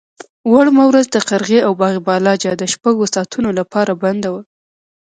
وړمه ورځ د قرغې او باغ بالا جاده شپږو ساعتونو لپاره بنده وه.